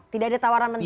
tidak ada tawaran menteri